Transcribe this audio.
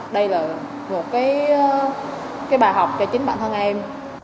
đây là một cái bài học cho chính bản thân em